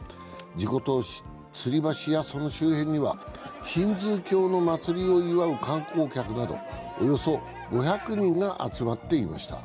事故当時、つり橋やその周辺にはヒンズー教の祭りを祝う観光客などおよそ５００人が集まっていました。